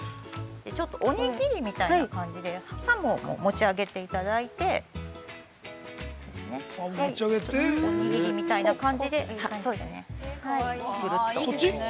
ちょっとおにぎりみたいな感じでハムを持ち上げていただいておにぎりみたいな感じでくるっと。